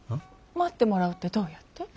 待ってもらうってどうやって？